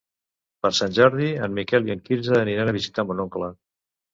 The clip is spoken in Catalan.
Per Sant Jordi en Miquel i en Quirze aniran a visitar mon oncle.